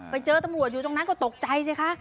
ไปเจอตำรวจอยู่ตรงนั้นก็ตกใจสิคะ